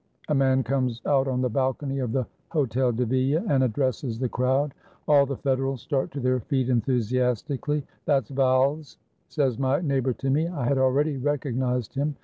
A man comes out on the balcony of the Hotel de Ville and addresses the crowd. All the Federals start to their feet enthu siastically.— "That's Valles," says my neighbor to me. I had already recognized him.